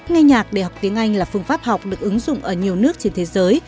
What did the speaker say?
nghe nhạc để học tiếng anh là phương pháp học được ứng dụng ở nhiều nước trên thế giới